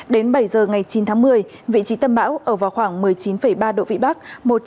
đến bảy giờ ngày chín tháng một mươi vị trí tâm bão ở vào khoảng một mươi chín ba độ vĩ bắc